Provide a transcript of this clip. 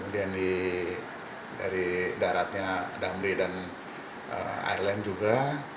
dan di daratnya damri dan ireland juga